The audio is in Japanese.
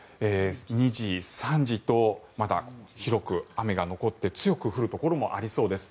２時、３時とまだ広く雨が残って強く降るところもありそうです。